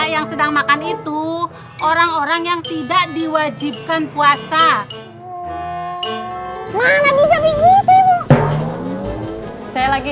yang sedang makan itu orang orang yang tidak diwajibkan puasa mana bisa ikut saya lagi